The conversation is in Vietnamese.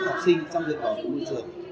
học sinh trong việc bảo vệ môi trường